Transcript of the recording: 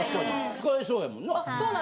使えそうやもんな。